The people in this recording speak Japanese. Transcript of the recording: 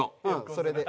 それで。